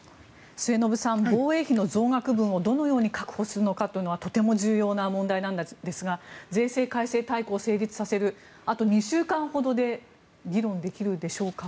末延さん防衛費の増額分をどのように確保するのかというのはとても重要な問題ですが税制改正大綱を成立させるあと２週間ほどで議論できるでしょうか。